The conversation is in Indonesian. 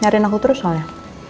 nyariin aku terus soalnya